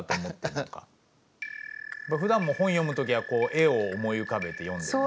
ふだんも本読む時はこう絵を思い浮かべて読んでるの？